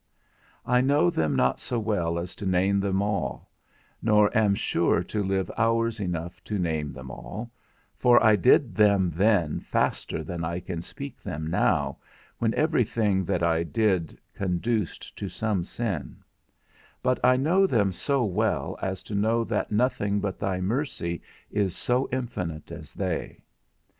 I know them not so well as to name them all, nor am sure to live hours enough to name them all (for I did them then faster than I can speak them now, when every thing that I did conduced to some sin), but I know them so well as to know that nothing but thy mercy is so infinite as they.